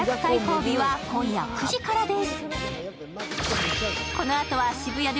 日は今夜９時からです。